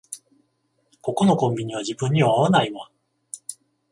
ここのコンビニは自分には合わないわ